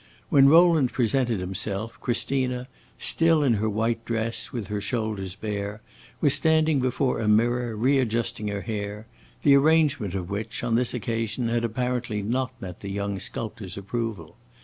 When Rowland presented himself, Christina, still in her white dress, with her shoulders bare, was standing before a mirror, readjusting her hair, the arrangement of which, on this occasion, had apparently not met the young sculptor's approval.